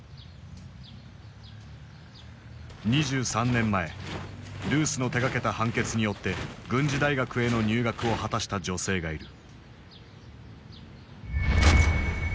２３年前ルースの手がけた判決によって軍事大学への入学を果たした女性がいる。